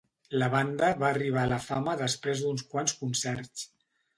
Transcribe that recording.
La banda va arribar a la fama després d'uns quants concerts.